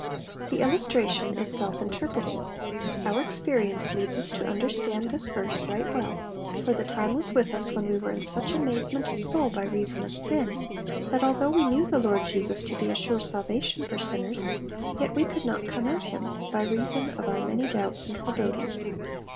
The illustration is self interpreting. Our expe rience leads us to understand this verse light well, for the time was with ut when we were in such amazement of soul by reason of sin, that although we knew the Lord Jesus to be a sure salvation for sinners, yet we could not come at him, by reason of our many doubts and forebodings.